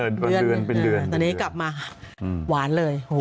ตอนนี้กลับมาหวานเลย